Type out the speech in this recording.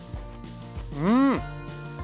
うん！